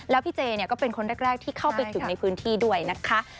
แล้วพี่เจเนี่ยก็เป็นคนแรกที่เข้าไปถึงในพื้นที่ด้วยนะคะ